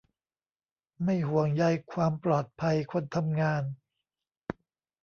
ไม่ห่วงใยความปลอดภัยคนทำงาน